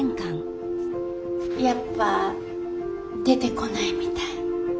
やっぱ出てこないみたい。